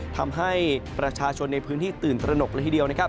ทำให้ประชาชนในพื้นที่ตื่นตระหนกละทีเดียวนะครับ